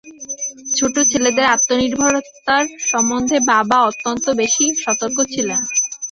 ছোটো ছেলেদের আত্মনির্ভরতার সম্বন্ধে বাবা অত্যন্ত বেশি সতর্ক ছিলেন।